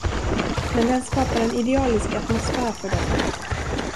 Men den skapar en idealisk atmosfär för dem.